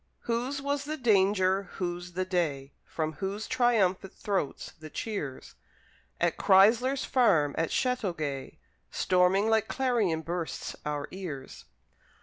Whose was the danger, whose the day, From whose triumphant throats the cheers, At Chrysler's Farm, at Chateauguay, Storming like clarion bursts our ears?